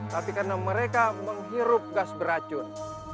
tapi karena mereka menghirup gas beracun